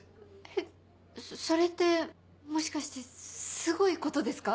えっそれってもしかしてすごいことですか？